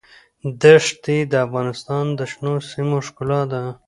دښتې د افغانستان د شنو سیمو ښکلا ده.